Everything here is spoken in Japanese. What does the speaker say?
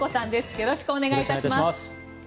よろしくお願いします。